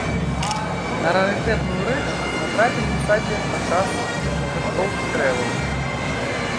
На рарытэтную рэч натрапілі ў садзе падчас выкарчоўкі дрэваў.